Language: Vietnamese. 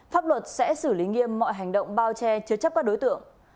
pháp luật sẽ xử lý nghiêm mọi hành động bao che chứa chấp các đối tượng